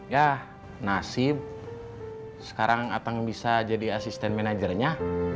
ya nasib sekarang atang bisa jadi asisten manajernya